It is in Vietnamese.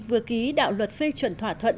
vừa ký đạo luật phê chuẩn thỏa thuận